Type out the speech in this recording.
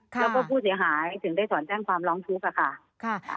แล้วก็ผู้เสียหายถึงได้ถอนแจ้งความร้องทุกข์ค่ะ